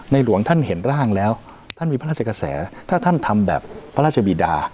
หลวงท่านเห็นร่างแล้วท่านมีพระราชกระแสถ้าท่านทำแบบพระราชบีดา